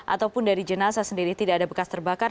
ataupun dari jenazah sendiri tidak ada bekas terbakar